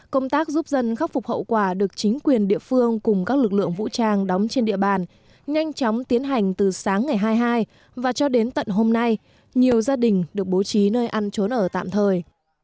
công tác giúp dân khắc phục hậu quả được chính quyền địa phương cùng các lực lượng vũ trang đóng trên địa bàn nhanh chóng tiến hành từ sáng ngày hai mươi hai và cho đến tận hôm nay nhiều gia đình được bố trí nơi ăn trốn ở tạm thời